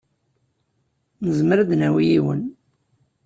Nezmer ad d-nawi yiwen.